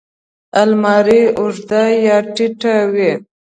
الماري اوږده یا ټیټه وي